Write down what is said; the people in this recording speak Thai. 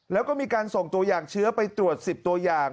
แล้วก็มีการส่งตัวอย่างเชื้อไปตรวจ๑๐ตัวอย่าง